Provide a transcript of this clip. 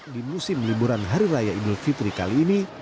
di musim liburan hari raya idul fitri kali ini